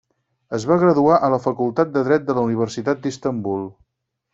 Es va graduar a la Facultat de Dret de la Universitat d'Istanbul.